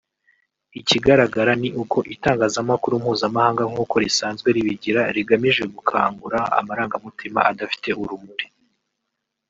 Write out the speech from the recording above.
Ikigaragara ni uko itangazamakuru mpuzamahanga nk’uko risanzwe ribigira rigamije gukangura amarangamutima adafite urumuri